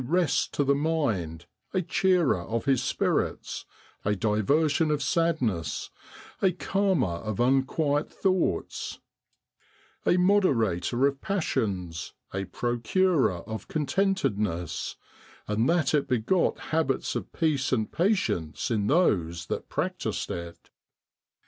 rest to the mind, a cheerer of his spirits, a diversion of sadness, a calmer of unquiet thoughts, a moderator of passions, a procurer of contentedness, and that it begot habits of peace and patience in those that practised it.'